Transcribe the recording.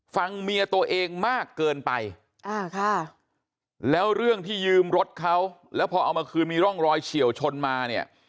เมียตัวเองมากเกินไปอ่าค่ะแล้วเรื่องที่ยืมรถเขาแล้วพอเอามาคืนมีร่องรอยเฉียวชนมาเนี่ย